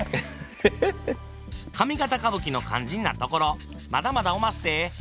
上方歌舞伎の肝心なところまだまだおまっせ。